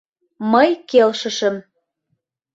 Мый келшышым